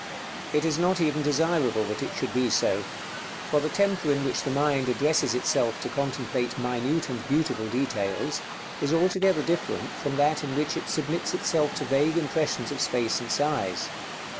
It is not even desirable that it should be so; for the temper in which the mind addresses itself to contemplate minute and beautiful details is altogether different from that in which it submits itself to vague impressions of space and size.